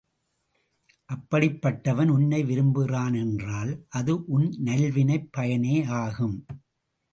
அப்படிப்பட்டவன் உன்னை விரும்புகிறான் என்றால் அது உன் நல்வினைப் பயனே ஆகும்.